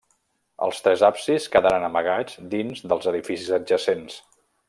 Els tres absis quedaren amagats dins dels edificis adjacents.